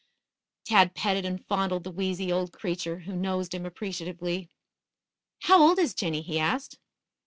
Tad petted and fondled the wheezy old creature, who nosed him appreciatively. "How old is Jinny?" he asked.